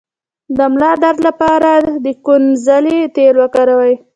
د ملا درد لپاره د کونځلې تېل وکاروئ